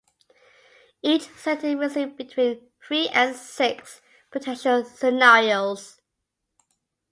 Each setting received between three and six potential scenarios.